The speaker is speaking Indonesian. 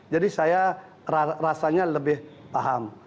jadi saya rasanya lebih paham